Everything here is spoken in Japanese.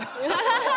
ハハハハ！